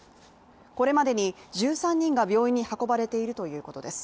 これまでに１３人が病院に運ばれているということです。